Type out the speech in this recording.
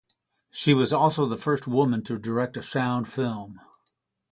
She was also the first woman to direct a sound film.